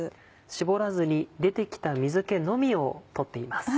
絞らずに出てきた水気のみを取っています。